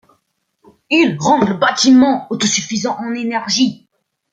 Ils rendent le bâtiment autosuffisant en énergie.